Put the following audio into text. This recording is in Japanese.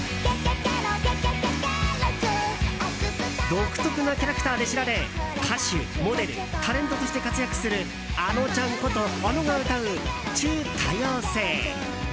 独特なキャラクターで知られ歌手、モデル、タレントとして活躍するあのちゃんこと、あのが歌う「ちゅ、多様性。」。